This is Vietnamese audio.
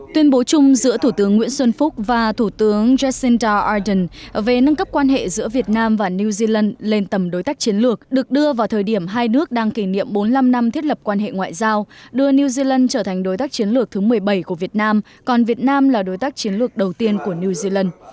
tuyên bố chung giữa thủ tướng nguyễn xuân phúc và thủ tướng jacinda ardern về nâng cấp quan hệ giữa việt nam và new zealand lên tầm đối tác chiến lược được đưa vào thời điểm hai nước đang kỷ niệm bốn mươi năm năm thiết lập quan hệ ngoại giao đưa new zealand trở thành đối tác chiến lược thứ một mươi bảy của việt nam còn việt nam là đối tác chiến lược đầu tiên của new zealand